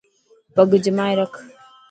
پگ جمائي رک.